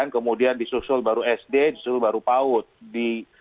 kemudian disusul baru sd disusul baru paud